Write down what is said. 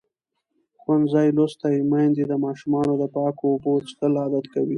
ښوونځې لوستې میندې د ماشومانو د پاکو اوبو څښل عادت کوي.